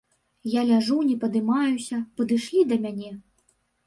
Я ляжу, не падымаюся, падышлі да мяне.